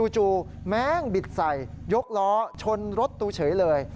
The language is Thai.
จู่แม่งบิดใส่ยกล้อชนรถตู้เฉยเลย